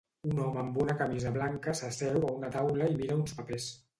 Un home amb una camisa blanca s'asseu a una taula i mira uns papers.